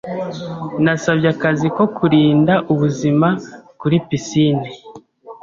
Nasabye akazi ko kurinda ubuzima kuri pisine.